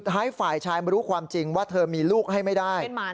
ให้ฝ่ายชายมารู้ความจริงว่าเธอมีลูกให้ไม่ได้